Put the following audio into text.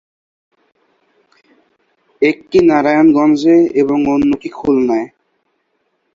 একটি নারায়ণগঞ্জে এবং অন্যটি খুলনায়।